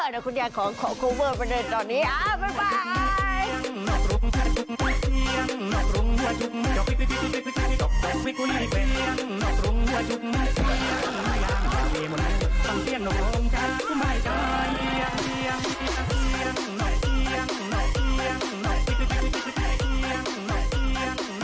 แล้วคุณยากขอคอเวิร์ดไปเลยตอนนี้บ๊ายบาย